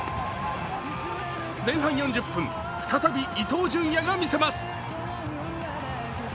前半４０分、再び伊東純也がみせます。